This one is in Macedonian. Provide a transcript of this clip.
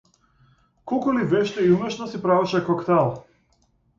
Колку ли вешто и умешно си правеше коктел!